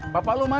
bapak lu mana